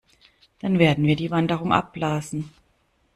Dann werden wir die Wanderung abblasen.